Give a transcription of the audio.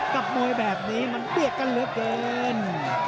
กับมวยแบบนี้มันเบียดกันเหลือเกิน